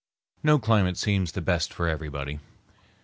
No climate seems the best for everybody.